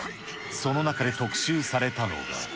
その中で特集されたのが。